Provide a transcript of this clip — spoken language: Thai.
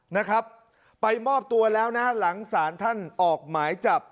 นะครับไปมอบตัวแล้วนะหลังศาลท่านออกหมายจับ